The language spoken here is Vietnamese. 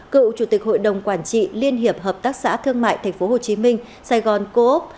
cựu chủ tịch hội đồng quản trị liên hiệp hợp tác xã thương mại tp hcm sài gòn coop